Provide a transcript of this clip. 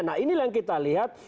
nah ini yang kita lihat